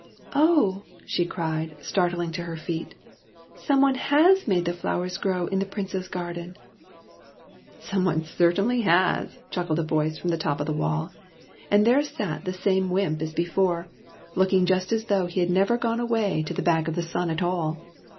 " Oh !" she cried, starting to her feet ;" some one has made the flowers grow in the Prince's garden !"" Some one certainly has," chuckled a voice from the top of the wall ; and there sat the same wymp as before, looking just as though he had SOMEBODY ELSE'S PRINCE 87 never gone away to the back of the sun at all.